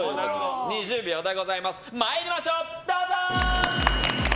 ２０秒でございます参りましょう。